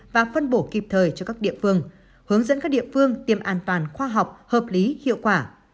và phân bổ kịp thời cho các địa phương hướng dẫn các địa phương tiêm an toàn khoa học hợp lý hiệu quả